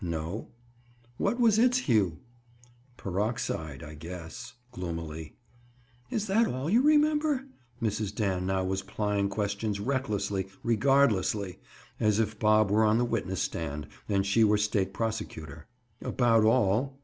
"No." "What was its hue?" "Peroxide, I guess." Gloomily. "Is that all you remember?" Mrs. Dan now was plying questions recklessly, regardlessly, as if Bob were on the witness stand and she were state prosecutor. "About all.